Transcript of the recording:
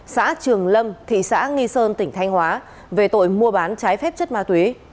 xã trường lâm thị xã nghi sơn tỉnh thanh hóa về tội mua bán trái phép chất ma túy